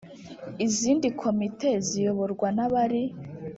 Izindi komite ziyoborwa n abari